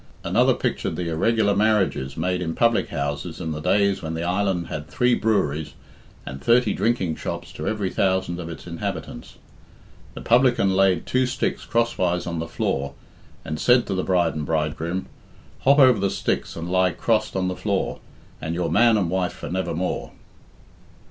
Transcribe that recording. Another pictured the irregular marriages made in public houses in the days when the island had three breweries and thirty drinking shops to every thousand of its inhabitants. The publican laid two sticks crosswise on the floor, and said to the bride and bridegroom "Hop over the sticks and lie crossed on the floor, And you're man and wife for nevermore."